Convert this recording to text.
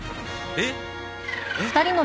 えっ！？